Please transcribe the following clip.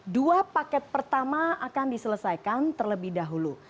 dua paket pertama akan diselesaikan terlebih dahulu